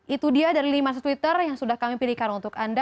itu dia dari lima set twitter yang sudah kami pilihkan untuk anda